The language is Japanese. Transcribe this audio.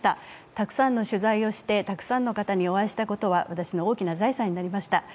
たくさんの取材をしてたくさんの方にお会いしたことは私の大きな財産になりました。